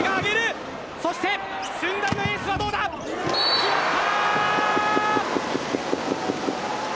決まった！